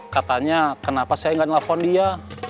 katanya kenapa saya nggak nelfon dia